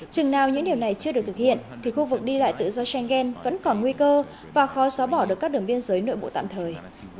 chừng nào những điều này chưa được thực hiện thì khu vực đi lại tự do schengen vẫn còn nguy cơ và khó xóa bỏ được các đường biên giới nội bộ tạm thời